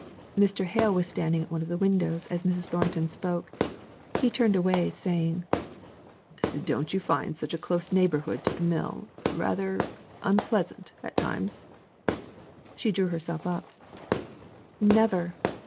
Mr. Hale was standing at one of the windows as Mrs. Thornton spoke. He turned away, saying, "Don't you find such close neighbourhood to the mill rather unpleasant at times?" She drew herself up: "Never.